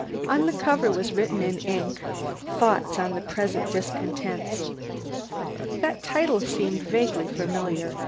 On the cover was written, in ink, "Thoughts on the Present Discontents." That title seemed vaguely familiar.